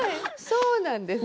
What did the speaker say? そうなんです。